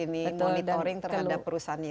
ini buat monitoring terhadap perusahaan itu juga